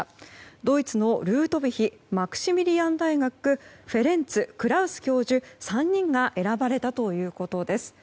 ドイツのルートヴィヒマクシミリアン大学フェレンツ・クラウス教授３人が選ばれたということです。